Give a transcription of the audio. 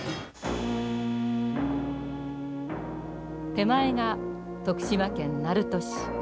手前が徳島県鳴門市。